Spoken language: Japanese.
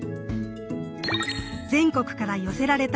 全国から寄せられた